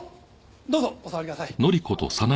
どうぞお座りください。